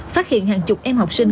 phát hiện hàng chục em học sinh bị bệnh